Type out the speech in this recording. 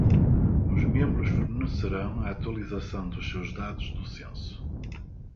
Os membros fornecerão a atualização de seus dados do censo.